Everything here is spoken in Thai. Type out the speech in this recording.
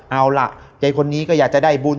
เอาล่ะใจคนนี้ก็อยากจะได้บุญ